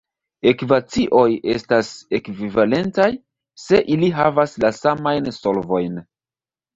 Ekvacioj estas "ekvivalentaj", se ili havas la samajn solvojn.